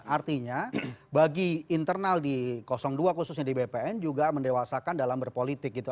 artinya bagi internal di dua khususnya di bpn juga mendewasakan dalam berpolitik gitu